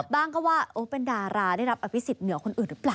บ้างก็ว่าเป็นดาราได้รับอภิษฎเหนือคนอื่นหรือเปล่า